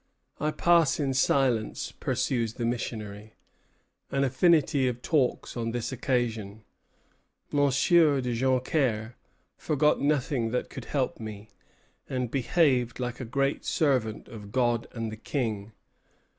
"I pass in silence," pursues the missionary, "an infinity of talks on this occasion. Monsieur de Joncaire forgot nothing that could help me, and behaved like a great servant of God and the King.